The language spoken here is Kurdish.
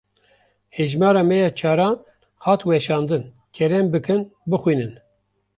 Hejmara me ya çaran hat weşandin. Kerem bikin bixwînin.